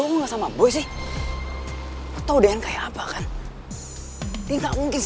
lo coba liat jalan ini